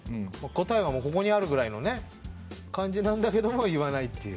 答えはここにあるぐらいのね感じなんだけども言わない。